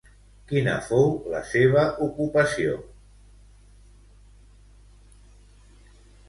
Quina fou la seva ocupació?